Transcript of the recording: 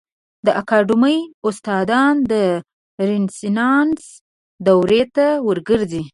د اکاډمي استادان د رنسانس دورې ته وګرځېدل.